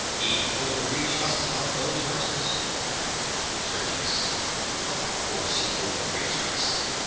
He over reached us about those horses. SERGIUS. Of course he over reached us.